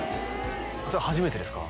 それ初めてですか？